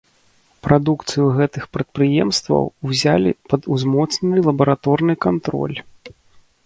Прадукцыю гэтых прадпрыемстваў узялі пад узмоцнены лабараторны кантроль.